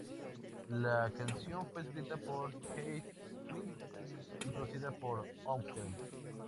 La canción fue escrita por Keith Flint y producida por Howlett.